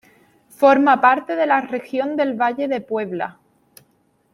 Forma parte de la región del Valle de Puebla.